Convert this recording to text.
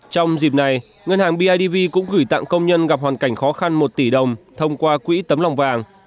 trong dịp này ngân hàng bidv cũng gửi tặng công nhân gặp hoàn cảnh khó khăn một tỷ đồng thông qua quỹ tấm lòng vàng